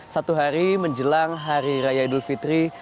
satu hari menjelang hari raya idul fitri